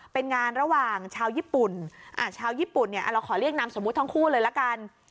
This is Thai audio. เป็นงานระหว่างชาวญี่ปุ่นชาวญี่ปุ่นเนี่ยเราขอเรียกนามสมมุติทั้งคู่เลยละกัน